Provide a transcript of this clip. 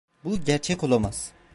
Bu gerçek olamaz.